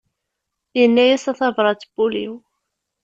Inna-as a tabrat n wul-iw.